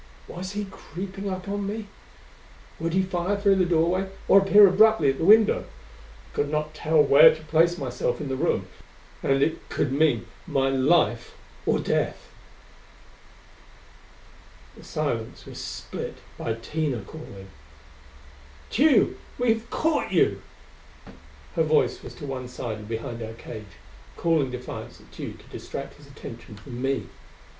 Was he creeping up on me? Would he fire through the doorway, or appear abruptly at the window? I could not tell where to place myself in the room and it could mean my life or death. The silence was split by Tina calling, "Tugh, we have caught you!" Her voice was to one side and behind our cage, calling defiance at Tugh to distract his attention from me.